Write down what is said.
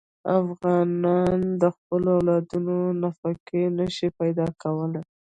افغانان د خپلو اولادونو نفقه نه شي پیدا کولی.